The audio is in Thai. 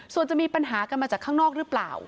ส่วนจะมีปัญหากันมาจากข้างนอกหรือเปล่า